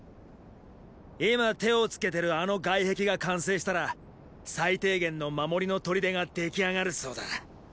今手をつけてるあの外壁が完成したら最低限の守りの砦が出来上がるそうだ。